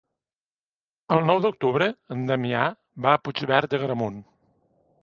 El nou d'octubre en Damià va a Puigverd d'Agramunt.